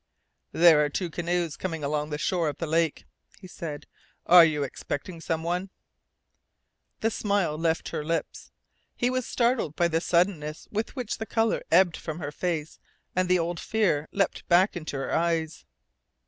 "There are two canoes coming along the shore of the lake," he said. "Are you expecting some one?" The smile left her lips. He was startled by the suddenness with which the colour ebbed from her face and the old fear leapt back into her eyes.